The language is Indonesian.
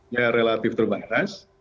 yang relatif terbatas